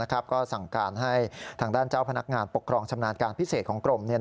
ก็สั่งการให้ทางด้านเจ้าพนักงานปกครองชำนาญการพิเศษของกรม